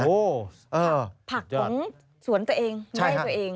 ผักผักของสวนตัวเองไหม้ตัวเอง